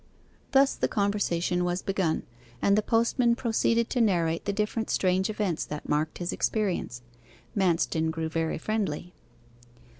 Thus the conversation was begun, and the postman proceeded to narrate the different strange events that marked his experience. Manston grew very friendly.